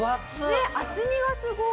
ねえ厚みがすごい。